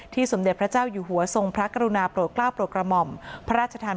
สมเด็จพระเจ้าอยู่หัวทรงพระกรุณาโปรดกล้าวโปรดกระหม่อมพระราชทาน